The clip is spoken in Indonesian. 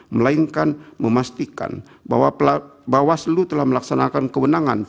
melainkan memastikan bahwa bawaslu telah melaksanakan kewenangan